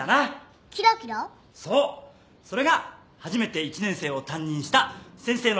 そうそれが初めて１年生を担任した先生の夢だ。